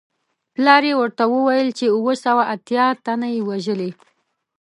پلار یې ورته وویل چې اووه سوه اتیا تنه یې وژلي.